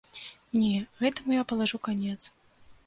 Не, гэтаму я палажу канец.